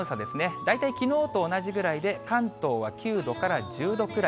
大体きのうと同じぐらいで、関東は９度から１０度くらい。